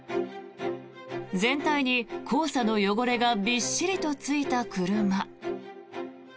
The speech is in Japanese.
全体に黄砂の汚れがびっしりとついた車。